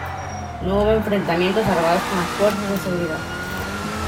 No hubo enfrentamientos armados con las fuerzas de seguridad.